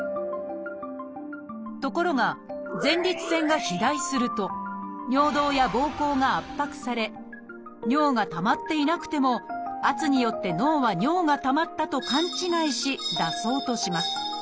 ところが前立腺が肥大すると尿道やぼうこうが圧迫され尿がたまっていなくても圧によって脳は尿がたまったと勘違いし出そうとします。